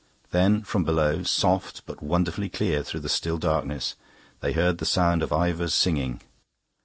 Then, from below, soft but wonderfully clear through the still darkness, they heard the sound of Ivor's singing.